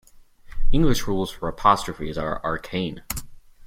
English rules for apostrophes are arcane.